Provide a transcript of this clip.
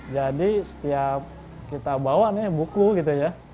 jadi setiap kita bawa buku gitu ya